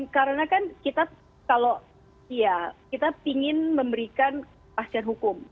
karena kan kita kalau ya kita ingin memberikan pasien hukum